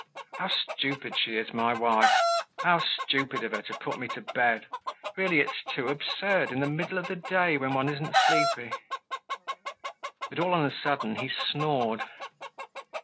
"How stupid she is, my wife! How stupid of her to put me to bed! Really, it's too absurd, in the middle of the day, when one isn't sleepy." But, all on a sudden, he snored.